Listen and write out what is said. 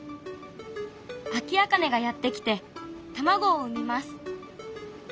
アキアカネがやって来て卵を産みます。